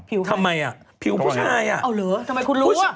ผิวใครผิวผู้ชายอ่ะโอ้เหรอทำไมคุณรู้อ่ะ